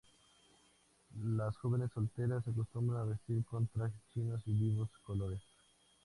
Las jóvenes solteras acostumbran a vestir con trajes chinos de vivos colores.